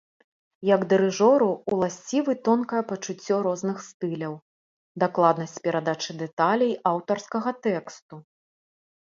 Як дырыжору уласцівы тонкае пачуццё розных стыляў, дакладнасць перадачы дэталей аўтарскага тэксту.